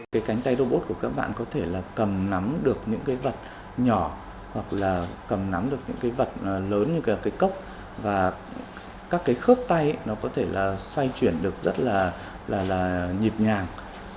cái cánh tay robot của các bạn có thể là cầm nắm được những cái vật nhỏ hoặc là cầm nắm được những cái vật lớn như cả cái cốc và các cái khớp tay nó có thể là xoay chuyển được rất là nhịp nhàng